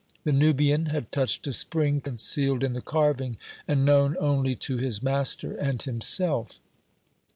The Nubian had touched a spring concealed in the carving, and known only to his master and himself.